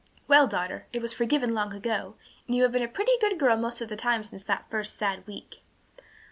"Well, daughter, it was all forgiven long ago, and you have been a pretty good girl most of the time since that first sad week."